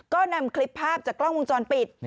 ก็นำคลิปภาพจากกล้องวงจรปิด